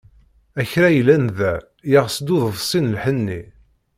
A kra yellan da, yers-d uḍebsi n lḥenni.